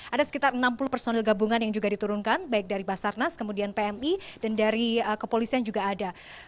ada sekitar enam puluh personil gabungan yang juga diturunkan baik dari basarnas kemudian pmi dan dari kepolisian juga ada